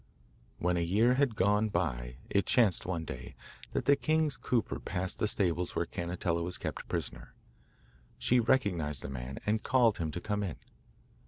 When a year had gone by, it chanced, one day, that the king's cooper passed the stables where Cannetella was kept prisoner. She recognised the man, and called him to come in.